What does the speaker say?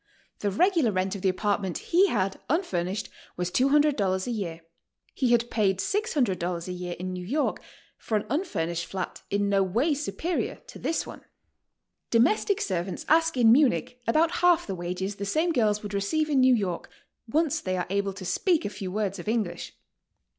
The regular rent of the apartment he had, unfurnished, was $200 a year. He had paid $600 a year in New York for an unfurnished flat in no way superior to this one. Domestic servants ask in Munich about half the wages the same girls would receive in New York, once they are able to speak a few words ot English.